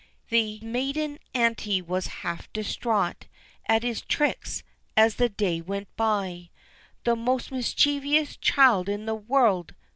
The maiden auntie was half distraught At his tricks, as the day went by, "The most mischievous child in the world!"